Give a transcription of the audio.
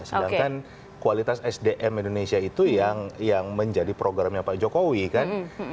sedangkan kualitas sdm indonesia itu yang menjadi programnya pak jokowi kan